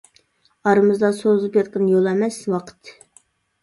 ئارىمىزدا سوزۇلۇپ ياتقىنى يول ئەمەس، ۋاقىت.